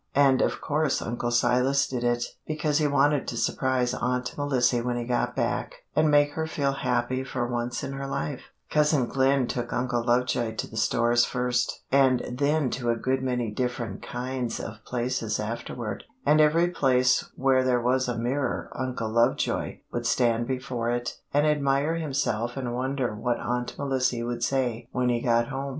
And of course Uncle Silas did it, because he wanted to surprise Aunt Melissy when he got back and make her feel happy for once in her life." "Cousin Glen took Uncle Lovejoy to the stores first, and then to a good many different kinds of places afterward, and every place where there was a mirror Uncle Lovejoy would stand before it and admire himself and wonder what Aunt Melissy would say when he got home.